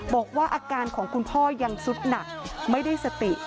บอกว่าอาการของคุณพ่อยังสุดหนักไม่ได้สติ